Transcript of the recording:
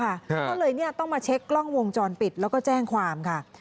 ก็เลยเนี่ยต้องมาเช็คกล้องวงจรปิดแล้วก็แจ้งความค่ะ